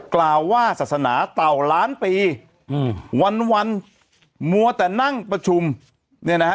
กล่าวว่าศาสนาเต่าล้านปีอืมวันวันมัวแต่นั่งประชุมเนี่ยนะฮะ